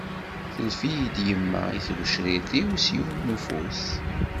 Tellef-iyi-d yemma i tgecrirt-w s yiwen n ufus.